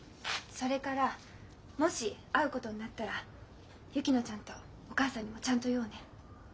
それからもし会うことになったら薫乃ちゃんとお母さんにもちゃんと言おうね。